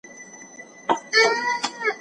فخر افغان